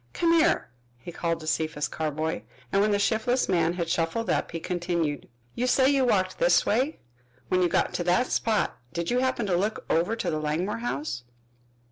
"Come here," he called to Cephas Carboy, and when the shiftless man had shuffled up, he continued: "You say you walked this way. When you got to this spot did you happen to look over to the Langmore house?"